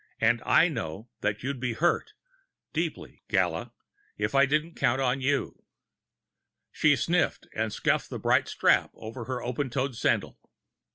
And I know that you'd be hurt deeply, Gala! if I didn't count on you." She sniffled and scuffed the bright strap over her open toed sandal.